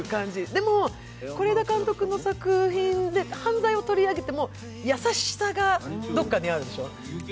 でも、是枝監督の作品で、犯罪を取り上げても優しさがどこかにあるでしょう。